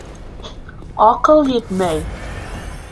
- Аҡыл етмәй.